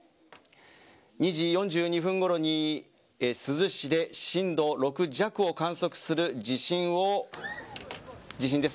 ２時４２分ごろに珠洲市で震度６弱を観測する地震です。